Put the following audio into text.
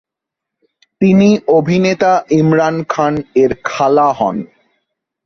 তিনি অভিনেতা ইমরান খান এর খালা হন।